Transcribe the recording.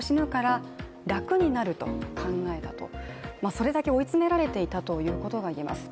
それだけ追い詰められていたということが言えます。